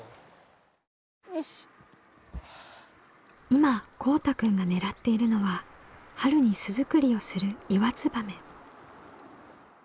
今こうたくんが狙っているのは春に巣作りをするイワツバメ。